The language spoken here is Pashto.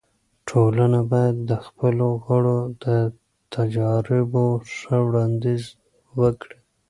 ټولنه باید د خپلو غړو د تجاريبو ښه وړاندیز وکړي.